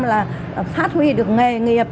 là phát huy được nghề nghiệp